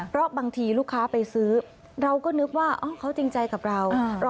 เพราะบางทีลูกค้าไปซื้อเราก็นึกว่าเขาจริงใจกับเรา